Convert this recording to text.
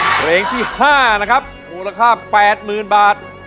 เพลงที่๕นะครับมูลค่า๘๐๐๐บาท